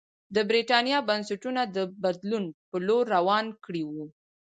د برېټانیا بنسټونه د بدلون په لور روان کړي وو.